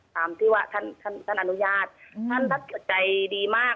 ตามที่ว่าท่านอนุญาตท่านรักษาใจดีมาก